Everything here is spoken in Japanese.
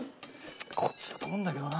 こっちだと思うんだけどな。